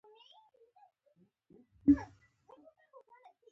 په همدې شېبه کې مې ستا یو وحشتناک عمل ته پام شو.